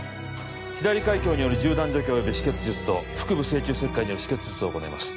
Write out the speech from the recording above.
左開胸による銃弾除去および止血術と腹部正中切開による止血術を行います